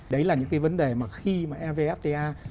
đấy là những vấn đề mà khi evfta